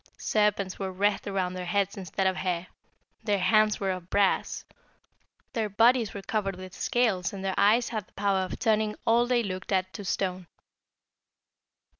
Serpents were wreathed around their heads instead of hair, their hands were of brass, their bodies were covered with scales, and their eyes had the power of turning all they looked at to stone.